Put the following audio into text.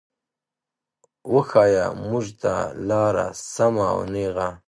وښايه مونږ ته لاره سمه او نېغه